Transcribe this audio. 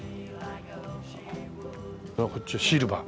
こっちシルバー。